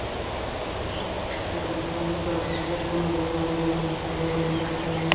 তাঁদের বাঁচাতে আইন করে কৃষিজাত পণ্য পরিবহন অবরোধ-হরতালের আওতামুক্ত রাখতে হবে।